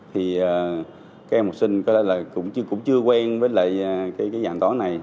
thì các em học sinh có lẽ là cũng chưa quen với lại cái dạng tó này